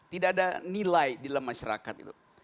tidak ada nilai di dalam masyarakat itu